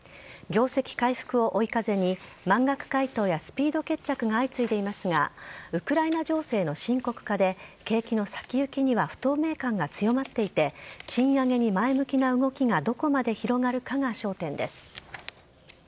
業績回復を追い風に、満額回答やスピード決着が相次いでいますが、ウクライナ情勢の深刻化で、景気の先行きには不透明感が強まっていて、賃上げに前向きな動きがどこまで広がるかが焦点です。